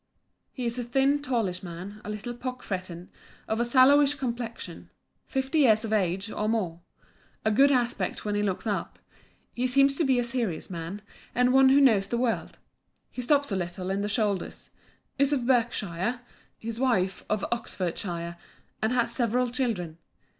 'He is a thin, tallish man, a little pock fretten, of a sallowish complexion. Fifty years of age, or more. Of good aspect when he looks up. He seems to be a serious man, and one who knows the world. He stoops a little in the shoulders. Is of Berkshire. His wife of Oxfordshire; and has several children.